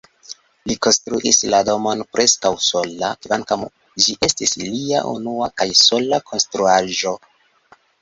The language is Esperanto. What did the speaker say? Li konstruis la domon preskaŭ sola, kvankam ĝi estis lia unua kaj sola konstruaĵo.